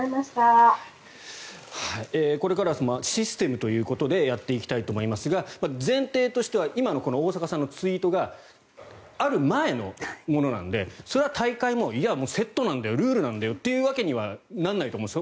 ここからはシステムということでやっていきたいと思いますが前提としては今の大坂さんのツイートがある前のものなのでそれは大会もいや、セットなんだよルールなんだよというわけにはならないと思うんです。